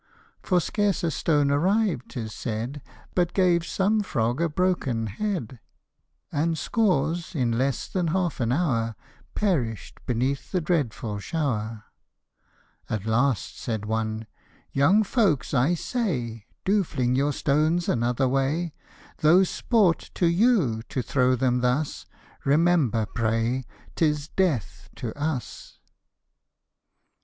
For scarce a stone arrived, ? tis said, But gave some frog a broken head Tlte B qvs & the Progs . The Horse fc tlie As s . And scores, in less than half an hour, Perish'd beneath the dreadful shower. At last, said one, " Young folks, I say, Do fling your stones another way ; Though sport to you to throw them thus, Remember, pray, 'tis death to us